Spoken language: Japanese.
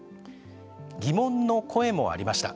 疑問の声もありました。